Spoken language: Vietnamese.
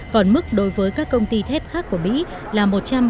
còn mức đối với các công ty thép khác của mỹ là một trăm bốn mươi bảy tám